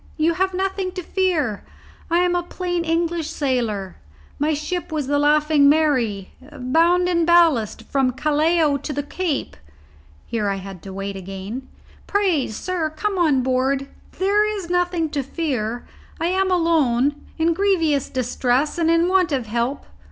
You have nothing to fear. I am a plain English sailor; my ship was the Laughing Mary, bound in ballast from Callao to the Cape." Here I had to wait again. "Pray, sir, come aboard. There is nothing to fear. I am alone in grievous distress, and in want of help.